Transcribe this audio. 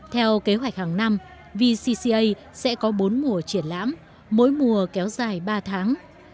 theo kế hoạch hàng năm vcca sẽ có bốn mùa triển lãm mỗi mùa kéo dài ba tháng